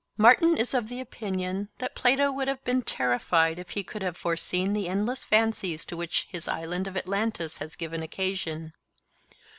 Martin is of opinion that Plato would have been terrified if he could have foreseen the endless fancies to which his Island of Atlantis has given occasion.